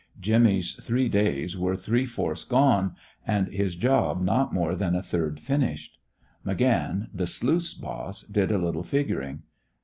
Jimmy's three days were three fourths gone, and his job not more than a third finished. McGann, the sluice boss, did a little figuring.